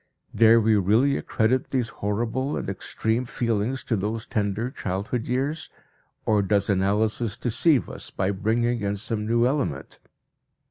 Dare we really accredit these horrible and extreme feelings to those tender childhood years, or does analysis deceive us by bringing in some new element?